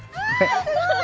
すごい！